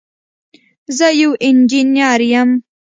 زه یو انجینر یم